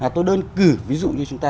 tôi đơn cử ví dụ như chúng ta